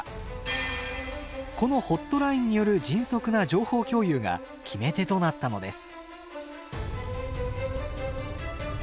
この「ホットライン」による迅速な情報共有が決め手となったのです。